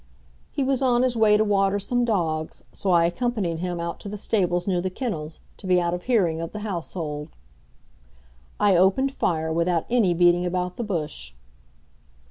He was on his way to water some dogs, so I accompanied him out to the stables near the kennels, to be out of hearing of the household. I opened fire without any beating about the bush.